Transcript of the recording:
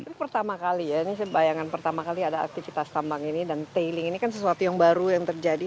itu pertama kali ya ini saya bayangan pertama kali ada aktivitas tambang ini dan tailing ini kan sesuatu yang baru yang terjadi